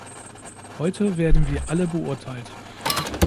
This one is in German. Heute werden wir alle beurteilt.